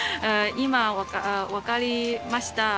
今分かりました。